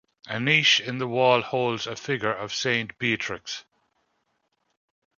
A niche in the wall holds a figure of Saint Beatrix.